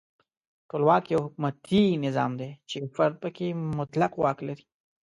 ټولواک یو حکومتي نظام دی چې یو فرد پکې مطلق واک لري.